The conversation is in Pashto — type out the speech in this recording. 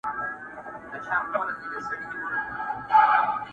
له شنو دښتونو به سندري د کیږدیو راځي!.